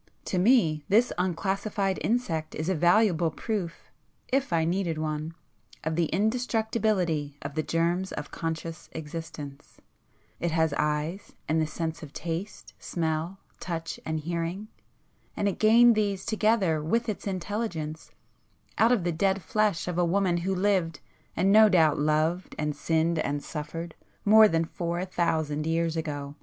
To me, this unclassified insect is a valuable proof (if I needed one) of the indestructibility of the germs of conscious existence; it has eyes, and the senses of taste, smell, touch and hearing,—and it gained these together with its intelligence, out of the dead flesh of a woman who lived, and no doubt loved and sinned and suffered more than four thousand years ago!"